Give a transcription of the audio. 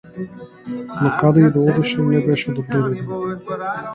Но каде и да одеше, не беше добредојден.